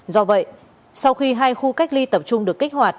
do vậy sau khi hai khu cách ly tập trung được kích hoạt